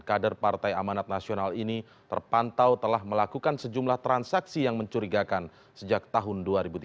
kader partai amanat nasional ini terpantau telah melakukan sejumlah transaksi yang mencurigakan sejak tahun dua ribu tiga belas